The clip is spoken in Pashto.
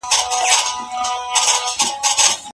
پښتون باید په هر ځای کي خپل عزت وساتي.